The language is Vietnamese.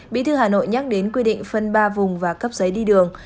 bí thư hà nội nhắc đến quy định phân ba vùng và cấp giấy đi đường